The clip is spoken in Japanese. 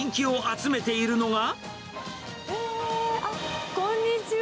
あっ、こんにちは。